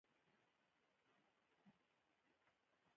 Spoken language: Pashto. ډیپلوماسي د خپلو اتباعو د حقوقو د خوندیتوب لار ده.